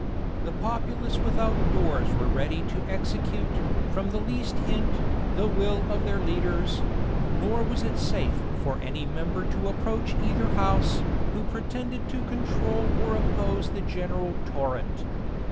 The populace without doors were ready to execute, from the least hint, the will of their leaders; nor was it safe for any member to approach either house, who pretended to control or oppose the general torrent.